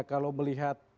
kalau melihat prosesnya